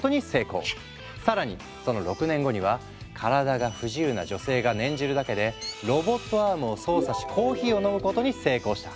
更にその６年後には体が不自由な女性が念じるだけでロボットアームを操作しコーヒーを飲むことに成功した。